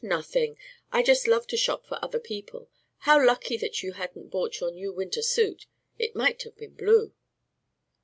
Nothing! I just love to shop for other people. How lucky that you hadn't bought your new winter suit. It might have been blue."